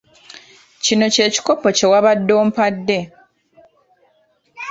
Kino kye kikopo kye wabadde ompadde.